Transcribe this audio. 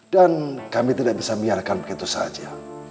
dan kami tidak bisa biarkan begitu saja